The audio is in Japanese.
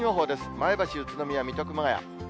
前橋、宇都宮、水戸、熊谷。